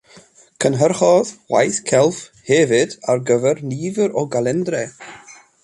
Cynhyrchodd waith celf hefyd ar gyfer nifer o galendrau.